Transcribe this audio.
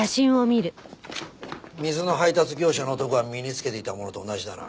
水の配達業者の男が身に着けていたものと同じだな。